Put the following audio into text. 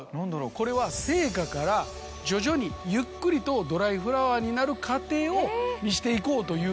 これは生花から徐々にゆっくりとドライフラワーになる過程を見していこうという。